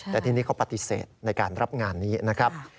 แต่ทีนี้เขาปฏิเสธในการรับงานนี้นะครับ